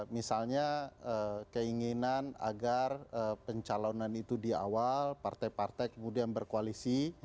misalnya keinginan agar pencalonan itu di awal partai partai kemudian berkoalisi